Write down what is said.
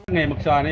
ngày mực xà này